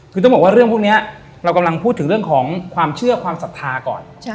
คือต้องบอกว่าเรื่องพวกนี้เรากำลังพูดถึงเรื่องของความเชื่อความศรัทธาก่อน